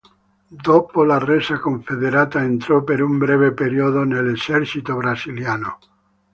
Dopo la resa confederata entrò per un breve periodo nell'esercito brasiliano.